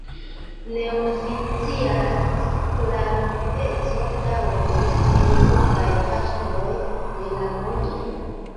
Neoficiale sklaveco daŭris en multaj partoj de la mondo.